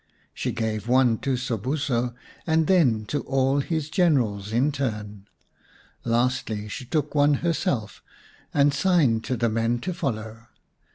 She gave one to Sobuso, and then to all his generals in turn. Lastly she took one herself, and signed to the men to follow.